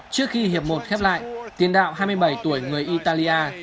trước khi hiệp một khép lại tiền đạo hai mươi bảy tuổi người italia